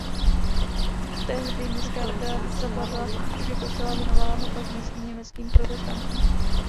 Tehdy městská rada zabavila klášter i kostel a věnovala ho pak místním německým protestantům.